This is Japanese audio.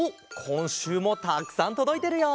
こんしゅうもたくさんとどいてるよ！